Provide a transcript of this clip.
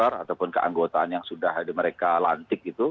dari daftar ataupun keanggotaan yang sudah ada mereka lantik gitu